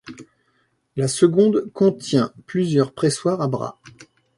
La seconde contient plusieurs pressoirs à bras.